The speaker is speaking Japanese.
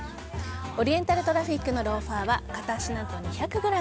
オリエンタルトラフィックのローファーは片足何と２００ｇ。